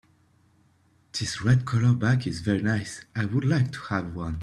This red color bike is very nice, I would like to have one.